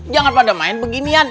jangan pada main beginian